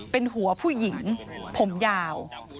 เป็นหัวผู้หญิงผมยาว